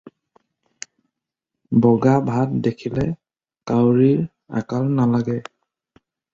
বগা ভাত দেখিলে কাউৰীৰ আকাল নালাগে।